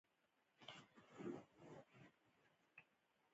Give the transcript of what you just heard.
یوه طبقه پانګوال او بله کارګره ده.